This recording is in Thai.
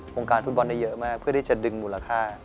วงการฟุตบอลได้เยอะมากเพื่อที่จะดึงมูลค่า